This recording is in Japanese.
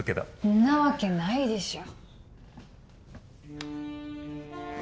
んなわけないでしょ。